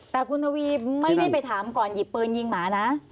แต่คุณทวีไม่ได้ไปถามก่อนหยิบปืนยิงหมานะ